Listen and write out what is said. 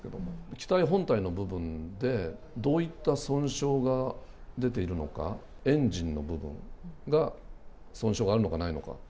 機体本体の部分で、どういった損傷が出ているのか、エンジンの部分が損傷があるのかないのか。